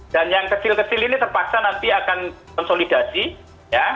dan yang kecil kecil ini terpaksa nanti akan konsolidasi ya